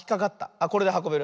あっこれではこべる。